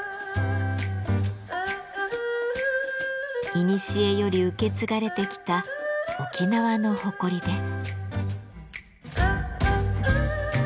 いにしえより受け継がれてきた沖縄の誇りです。